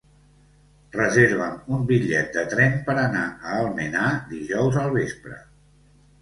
Reserva'm un bitllet de tren per anar a Almenar dijous al vespre.